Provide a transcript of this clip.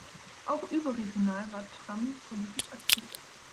Auch überregional war Tramm politisch aktiv.